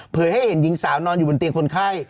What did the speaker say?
ให้เห็นหญิงสาวนอนอยู่บนเตียงคนไข้